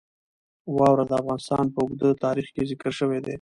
واوره د افغانستان په اوږده تاریخ کې ذکر شوی دی.